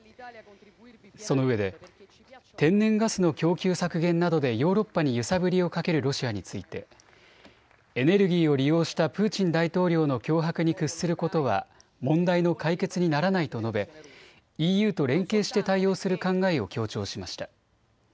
そのうえで天然ガスの供給削減などでヨーロッパに揺さぶりをかけるロシアについてエネルギーを利用したプーチン大統領の脅迫に屈することは問題の解決にならないと述べＥＵと連携して対応する考えを強調しました。